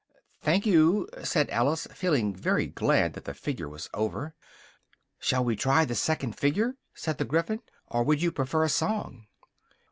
"Thank you," said Alice, feeling very glad that the figure was over. "Shall we try the second figure?" said the Gryphon, "or would you prefer a song?"